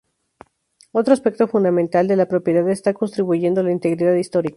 Otro aspecto fundamental de la propiedad está contribuyendo la integridad histórica.